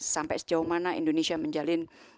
sampai sejauh mana indonesia menjalin